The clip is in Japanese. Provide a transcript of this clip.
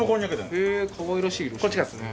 へえかわいらしい色してますね。